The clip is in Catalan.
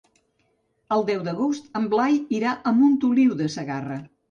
El deu d'agost en Blai irà a Montoliu de Segarra.